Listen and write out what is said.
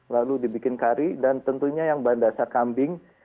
lalu dibikin kari dan tentunya yang bahan dasar kambing